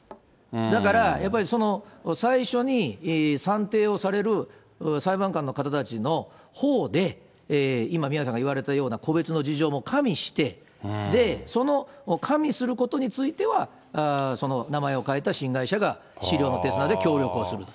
だから最初に算定をされる裁判官の方たちのほうで、今、宮根さんが言われたような個別の事情も加味して、で、その加味することについては、名前を変えた新会社が協力をすると。